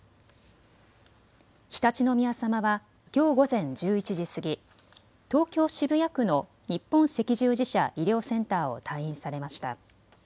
常陸宮さまはきょう午前１１時過ぎ東京渋谷区の日本赤十字社医療センターを退院されました。